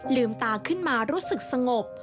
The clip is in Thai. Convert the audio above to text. ลืมตาขึ้นมารู้สึกสงบ